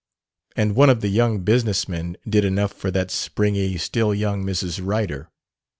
And one of the young business men did enough for that springy, still young Mrs. Ryder.